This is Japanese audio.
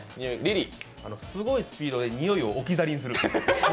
すごいスピードで臭いを置き去りにする。